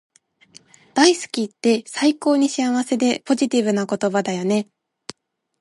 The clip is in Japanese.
大好きって最高に幸せでポジティブな言葉だよね